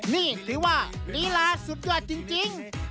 นี่นึกว่าฤลาสุดยอดจริง